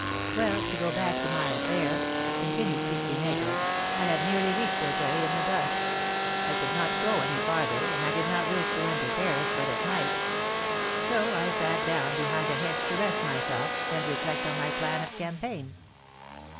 "Well, to go back to my affair," continued Pique Vinaigre. "I had nearly reached Auteuil, in the dusk. I could not go any farther, and I did not wish to enter Paris but at night; so I sat down behind a hedge to rest myself, and reflect on my plan of campaign.